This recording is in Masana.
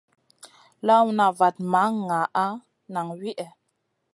Lawna vat ma nʼgaana nang wihè.